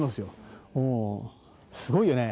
うんすごいよね。